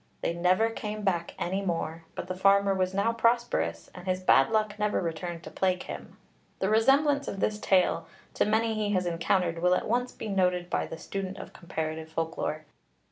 They never came back any more; but the farmer was now prosperous, and his bad luck never returned to plague him. [Illustration: ROWLI AND THE ELLYLL.] The resemblance of this tale to many he has encountered will at once be noted by the student of comparative folk lore.